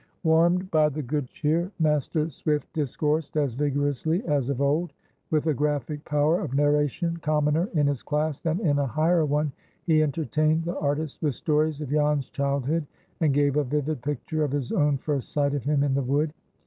Warmed by the good cheer, Master Swift discoursed as vigorously as of old. With a graphic power of narration, commoner in his class than in a higher one, he entertained the artist with stories of Jan's childhood, and gave a vivid picture of his own first sight of him in the wood.